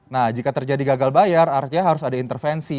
nah jika terjadi gagal bayar artinya harus ada intervensi